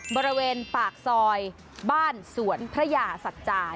บริเวณปากซอยบ้านสวนพระยาสัจจา